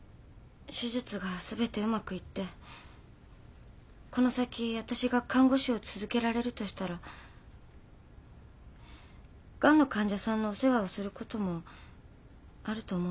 手術がすべてうまくいってこの先わたしが看護師を続けられるとしたらガンの患者さんのお世話をすることもあると思うんです。